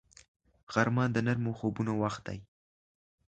غرمه د نرمو خوبونو وخت دی